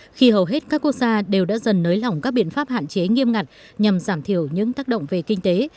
khi hầu hết các quốc gia đều đã dần nới lỏng các biện pháp hạn chế nghiêm ngặt nhằm giảm thiểu những tác động về kinh tế